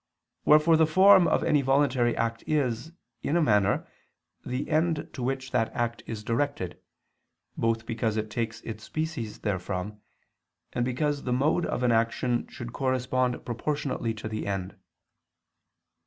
Wherefore the form of any voluntary act is, in a manner, the end to which that act is directed, both because it takes its species therefrom, and because the mode of an action should correspond proportionately to the end.